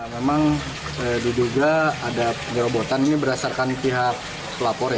memang diduga ada penyerobotan ini berdasarkan pihak pelapor ya